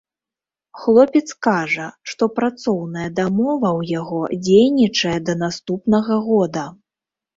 Хлопец кажа, што працоўная дамова ў яго дзейнічае да наступнага года.